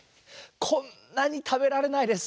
こんなにたべられないです。